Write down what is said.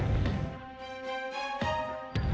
sama sama merasa gak dianggap